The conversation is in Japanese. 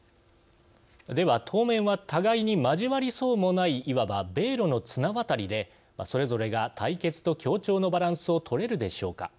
では当面は互いに交わりそうもないいわば米ロの綱渡りでそれぞれが対決と協調のバランスをとれるでしょうか。